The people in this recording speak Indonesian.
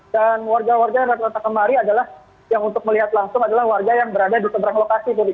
dan warga warga yang rata rata kemari yang untuk melihat langsung adalah warga yang berada di seberang lokasi